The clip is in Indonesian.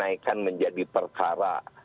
akan dinaikkan menjadi perkara